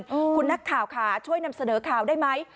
คุณนักข่าวค่ะช่วยนำเสนอข่าวได้ไหม